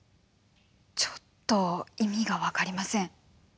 ちょっと意味が分かりません。